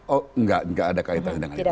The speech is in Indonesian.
oh enggak enggak ada kaitan dengan itu